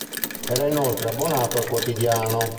Era inoltre abbonato al quotidiano.